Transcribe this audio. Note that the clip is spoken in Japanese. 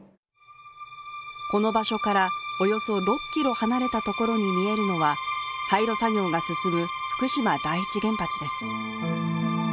この場所からおよそ６ｋｍ離れたところに見えるのは、廃炉作業が進む福島第一原発です。